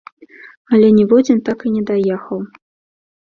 Але ніводзін так і не даехаў.